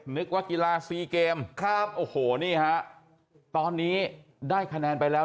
นึกว่ากีฬาซีเกมครับโอ้โหนี่ฮะตอนนี้ได้คะแนนไปแล้ว